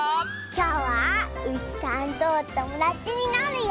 きょうはうしさんとおともだちになるよ！